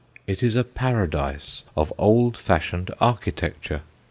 It is a paradise of old fashioned architecture.